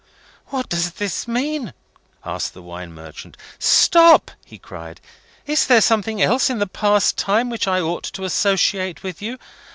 "What does this mean?" asked the wine merchant. "Stop!" he cried. "Is there something else in the past time which I ought to associate with you?